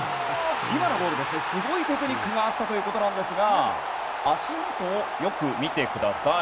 今のゴールすごいテクニックがあったということなんですが足元をよく見てください。